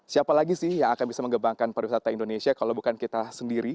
siapa lagi sih yang akan bisa mengembangkan pariwisata indonesia kalau bukan kita sendiri